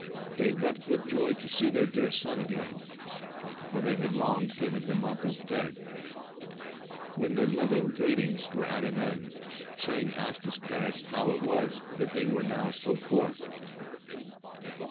They wept with joy to see their dear son again, for they had long given him up as dead. When their loving greetings' were at an end, Chang asked his parents how it was that they were now so poor.